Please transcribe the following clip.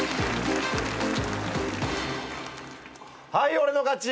はい俺の勝ち。